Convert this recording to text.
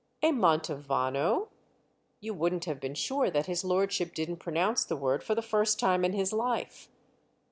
"A 'Mantovano'?" You wouldn't have been sure that his lordship didn't pronounce the word for the first time in his life.